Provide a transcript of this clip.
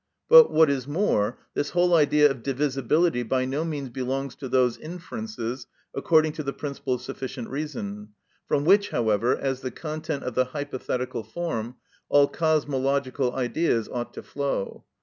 But, what is more, this whole idea of divisibility by no means belongs to those inferences according to the principle of sufficient reason, from which, however, as the content of the hypothetical form, all cosmological Ideas ought to flow.